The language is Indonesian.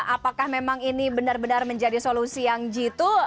apakah memang ini benar benar menjadi solusi yang jitu